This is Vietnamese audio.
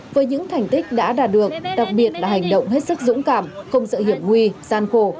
với những thành tích đã đạt được đặc biệt là hành động hết sức dũng cảm không sợ hiểm nguy gian khổ